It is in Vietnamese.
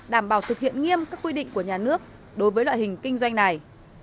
đảm bảo thực hiện nghiêm các quy định của nhà nước đối với loại hình kinh doanh này